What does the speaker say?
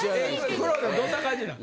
黒田どんな感じなん？